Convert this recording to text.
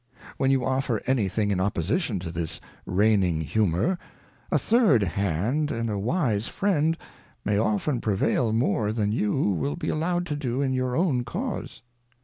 When you offer any thing in opposition to this reigning Humour, a third hand and a wise Friend, may often prevail more than you vs'ill be allowed to do in your own Cau se.